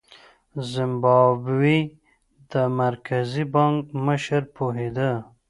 د زیمبابوې د مرکزي بانک مشر پوهېده.